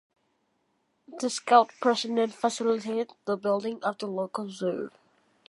The Scout president facilitated the building of the local zoo.